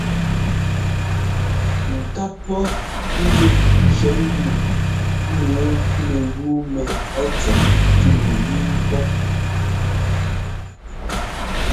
Ŋ ká pɔ́ ńzúꞌ cɔ̌ nu nǔu mɛyúu mɛ ɛ́ tsɛt tʉ́m yú pɔ́.